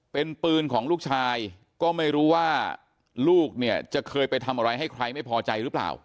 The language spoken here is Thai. เป็นปืนของลูกชายก็ไม่รู้ว่าลูกเนี่ยจะเคยไปทำอะไรให้ใครไม่พอใจหรือเปล่า